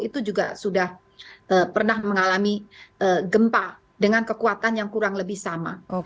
itu juga sudah pernah mengalami gempa dengan kekuatan yang kurang lebih sama